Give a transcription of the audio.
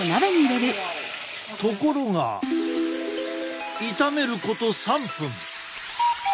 ところが炒めること３分。